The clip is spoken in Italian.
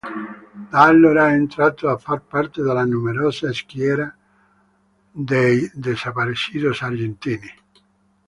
Da allora è entrato a far parte della numerosa schiera dei desaparecidos argentini.